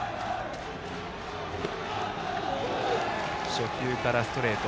初球からストレート。